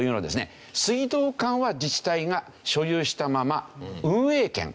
水道管は自治体が所有したまま運営権